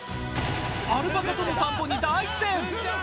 アルパカとの散歩に大苦戦。